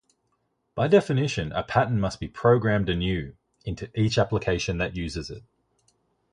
By definition, a pattern must be programmed anew into each application that uses it.